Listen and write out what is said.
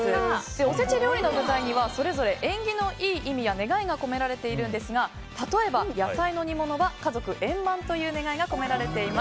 おせち料理の具材にはそれぞれ縁起のいい意味や願いが込められているんですが例えば、野菜の煮物は家族円満という願いが込められています。